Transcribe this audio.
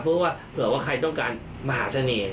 เพราะว่าเผื่อว่าใครต้องการมหาเสน่ห์